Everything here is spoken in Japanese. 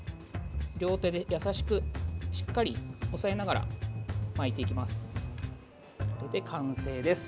両手で優しくしっかり押さえながら巻いていきます。